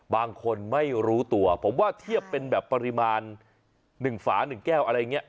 บางคนไม่รู้ตัวผมว่าเทียบเป็นแบบปริมาณ๑ฝา๑แก้วอะไรอย่างนี้